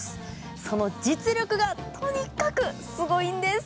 その実力がとにかくすごいんです。